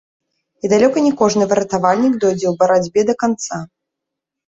І далёка не кожны выратавальнік дойдзе ў барацьбе да канца.